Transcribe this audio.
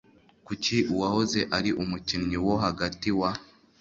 Kuki uwahoze ari umukinnyi wo hagati wa